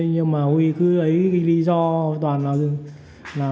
nhưng mà we cứ lấy cái lý do toàn là